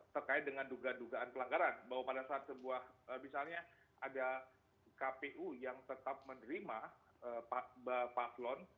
terkait dengan dugaan dugaan pelanggaran bahwa pada saat sebuah misalnya ada kpu yang tetap menerima paslon